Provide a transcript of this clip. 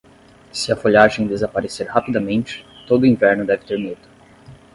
Se a folhagem desaparecer rapidamente, todo inverno deve ter medo.